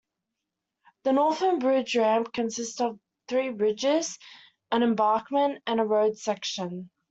The northern bridge ramp consists of three bridges, an embankment and a road section.